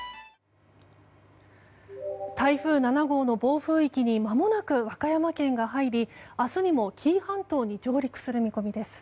台風７号の暴風域にまもなく和歌山県が入り明日にも紀伊半島に上陸する見込みです。